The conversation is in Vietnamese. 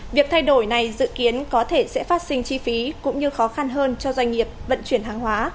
việc thay đổi này dự kiến có thể sẽ phát sinh chi phí cũng như khó khăn hơn cho doanh nghiệp vận chuyển hàng hóa